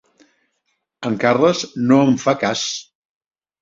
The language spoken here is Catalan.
El Carles no em fa cas.